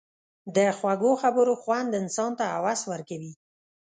د خوږو خبرو خوند انسان ته هوس ورکوي.